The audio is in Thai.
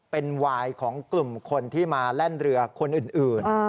เป็นวายของกลุ่มคนที่มาแล่นเรือคนอื่น